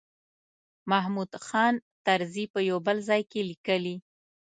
محمود خان طرزي په یو بل ځای کې لیکلي.